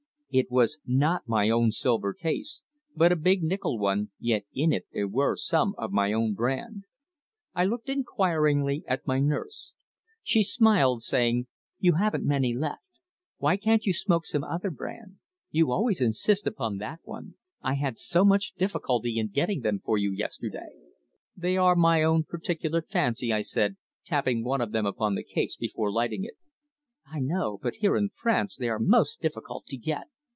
It was not my own silver case, but a big nickel one, yet in it there were some of my own brand. I looked inquiringly at my nurse. She smiled, saying: "You haven't many left. Why can't you smoke some other brand? You always insist upon that one. I had so much difficulty in getting them for you yesterday!" "They are my own particular fancy," I said, tapping one of them upon the case before lighting it. "I know. But here, in France, they are most difficult to get.